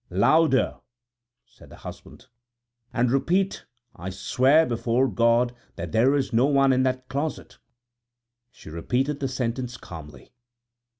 "Louder," said the husband, "and repeat 'I swear before God that there is no one in that closet'." She repeated the sentence calmly.